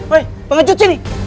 woy pengecut sini